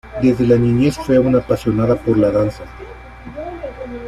Desde la niñez fue una apasionada por la danza.